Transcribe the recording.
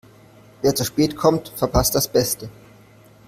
Wer zu spät kommt, verpasst das Beste.